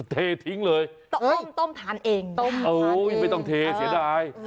เททิ้งเลยต้มทานเองไม่ต้องเทเสียดาย